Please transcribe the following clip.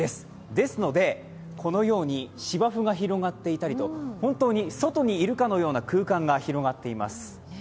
ですので、このように芝生が広がっていたりと本当に外にいるかのような空間が広がっています。